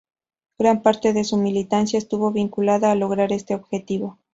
Gran parte de su militancia estuvo vinculada a lograr este objetivo.